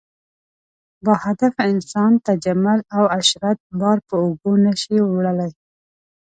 باهدفه انسان تجمل او عشرت بار په اوږو نه شي وړلی.